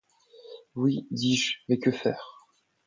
Oui ! dis-je, mais que faire ?